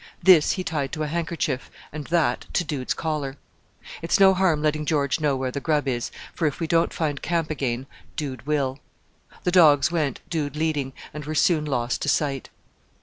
This he tied to a handkerchief, and that to Dude's collar. "It's no harm letting George know where the grub is, for if we don't find camp again, Dude will." The dogs went, Dude leading, and were soon lost to sight.